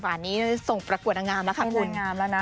ฝ่านี้จะส่งประกวดอังงามแล้วค่ะคุณ